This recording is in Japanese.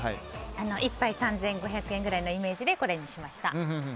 １杯３５００円くらいのイメージでこれにしました。